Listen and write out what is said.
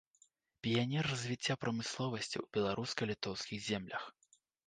Піянер развіцця прамысловасці ў беларуска-літоўскіх землях.